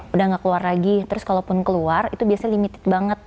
udah enggak keluar lagi terus kalau pun keluar itu biasanya limited banget